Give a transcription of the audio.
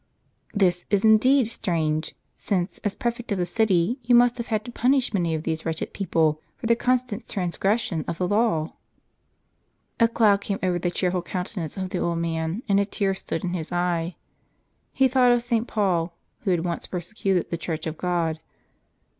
" This is indeed strange ; since, as prefect of the city, you must have had to punish many of these wretched people, for their constant transgression of the laws." A cloud came over the cheerful countenance of the old man, and a tear stood in his eye. He thought of St. Paul, who had once persecuted the Church of God.